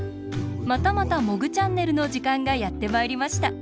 またまた「モグチャンネル」のじかんがやってまいりました。